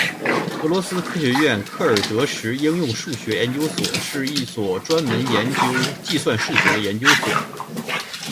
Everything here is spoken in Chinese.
俄罗斯科学院克尔德什应用数学研究所是一所专门研究计算数学的研究所。